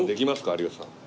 有吉さん。